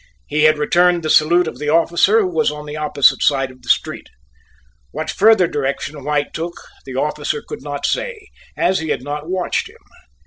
He had returned the salute of the officer who was on the opposite side of the street. What further direction White took the officer could not say, as he had not watched him.